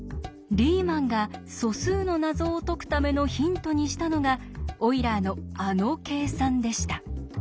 リーマンが素数の謎を解くためのヒントにしたのがオイラーのあの計算でした。